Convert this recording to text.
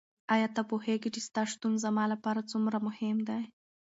ایا ته پوهېږې چې ستا شتون زما لپاره څومره مهم دی؟